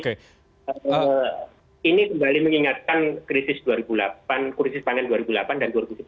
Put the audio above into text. jadi ini kembali mengingatkan krisis dua ribu delapan krisis pangan dua ribu delapan dan dua ribu sebelas